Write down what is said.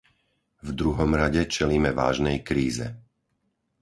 V druhom rade čelíme vážnej kríze.